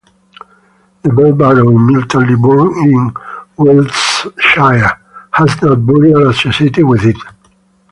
The bell barrow in Milton Lilbourne in Wiltshire has no burial associated with it.